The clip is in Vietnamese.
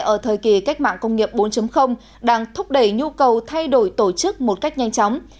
ở thời kỳ cách mạng công nghiệp bốn đang thúc đẩy nhu cầu thay đổi tổ chức một cách nhanh chóng